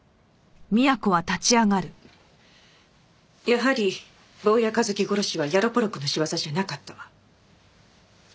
やはり坊谷一樹殺しはヤロポロクの仕業じゃなかったわ。